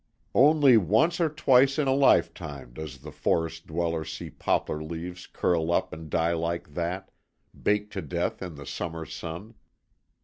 Only once or twice in a lifetime does the forest dweller see poplar leaves curl up and die like that, baked to death in the summer sun.